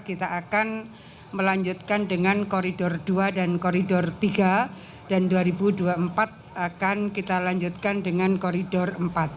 kita akan melanjutkan dengan koridor dua dan koridor tiga dan dua ribu dua puluh empat akan kita lanjutkan dengan koridor empat